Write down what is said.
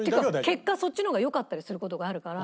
結果そっちの方がよかったりする事があるから。